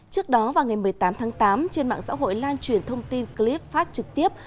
trước đó vào ngày một mươi tám tháng tám trên mạng xã hội lan truyền thông tin clip phát trực tiếp